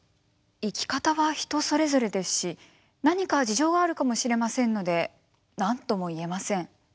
生き方は人それぞれですし何か事情があるかもしれませんので何とも言えません。